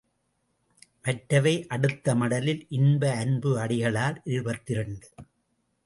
மற்றவை அடுத்த மடலில் இன்ப அன்பு அடிகளார் இருபத்திரண்டு.